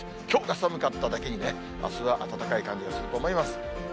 きょうが寒かっただけにね、あすは暖かい感じがすると思います。